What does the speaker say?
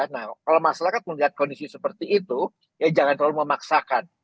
nah kalau masyarakat melihat kondisi seperti itu ya jangan terlalu memaksakan